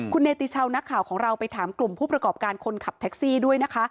คุณเนติชาวนักข่าวของเราไปถามกลุ่มผู้ประกอบการคนขับแท็กซี่ด้วยนะคะ